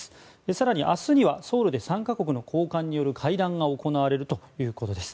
更に明日にはソウルで３か国の高官による会談が行われるということです。